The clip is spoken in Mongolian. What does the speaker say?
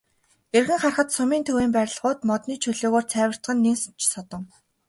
Эргэн харахад сумын төвийн барилгууд модны чөлөөгөөр цайвартах нь нэн ч содон.